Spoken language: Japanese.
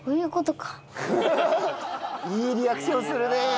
いいリアクションするね！